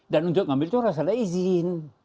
dan untuk mengambil itu harus ada izin